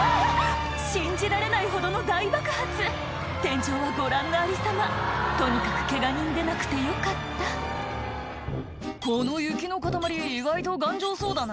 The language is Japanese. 信じられないほどの大爆発天井はご覧のありさまとにかくケガ人出なくてよかった「この雪の塊意外と頑丈そうだな」